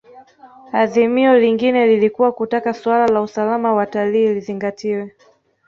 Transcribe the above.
Azimio lingine lilikuwa kutaka suala la usalama wa watalii lizingatiwe